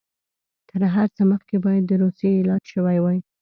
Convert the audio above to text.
تر هر څه مخکې باید د روسیې علاج شوی وای.